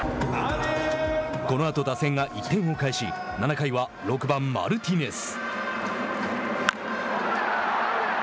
このあと打線が１点を返し７回は６番マルティネス。